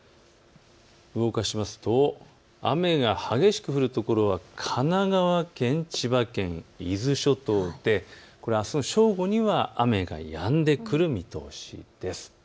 動かしますと雨が激しく降る所は神奈川県、千葉県、伊豆諸島であすの正午には雨がやんでくる見通しです。